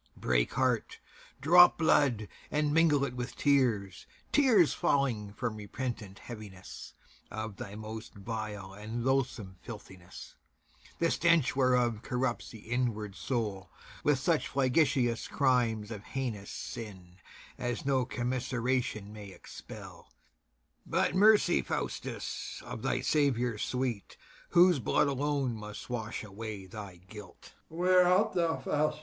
Break heart, drop blood, and mingle it with tears, Tears falling from repentant heaviness Of thy most vile and loathsome filthiness, The stench whereof corrupts the inward soul With such flagitious crimes of heinous sin As no commiseration may expel, But mercy, Faustus, of thy Saviour sweet, Whose blood alone must wash away thy guilt. FAUSTUS. Where art thou, Faustus?